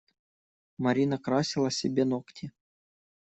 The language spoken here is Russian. Марина красила себе ногти.